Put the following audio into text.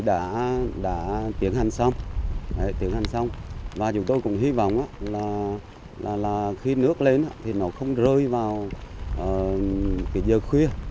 đã tiến hành xong và chúng tôi cũng hy vọng là khi nước lên thì nó không rơi vào giờ khuya